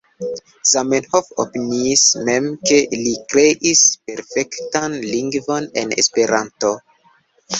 Zamenhof opiniis mem ke li kreis perfektan lingvon en Esperanto.